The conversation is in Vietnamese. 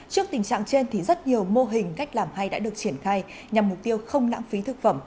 trước tình trạng trên thì rất nhiều mô hình cách làm hay đã được triển khai nhằm mục tiêu không lãng phí thực phẩm